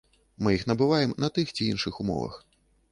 Мы іх набываем на тых ці іншых умовах.